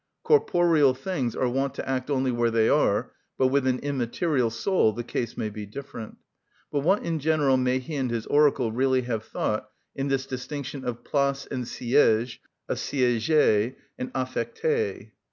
Corporeal things are wont to act only where they are, but with an immaterial soul the case may be different. But what in general may he and his oracle really have thought in this distinction of place and siège, of sièger and affecter?